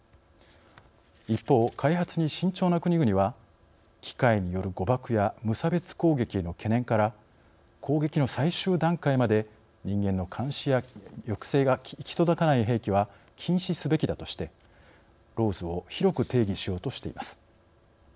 一方、開発に慎重な国々は機械による誤爆や無差別攻撃への懸念から攻撃の最終段階まで人間の監視や抑制が行き届かない兵器は禁止すべきだとしてＬＡＷＳを広く定義しようとしています。